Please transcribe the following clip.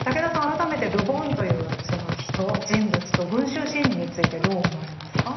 改めてル・ボンというその人人物と「群衆心理」についてどう思われますか？